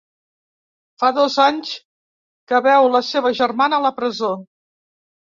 Fa dos anys que veu la seva germana a la presó.